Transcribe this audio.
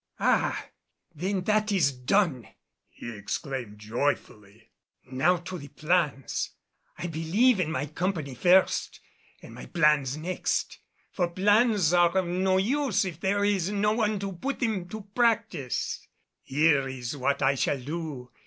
"Ah! Then that is done," he exclaimed joyfully. "Now to the plans. I believe in my company first and my plans next. For plans are of no use if there is no one to put them to practise. Here is what I shall do.